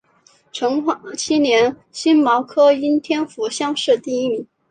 成化七年辛卯科应天府乡试第一名。